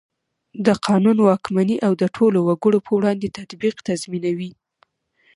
د قانون واکمني او د ټولو وګړو په وړاندې تطبیق تضمینوي.